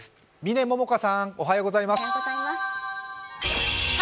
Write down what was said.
嶺百花さん、おはようございます。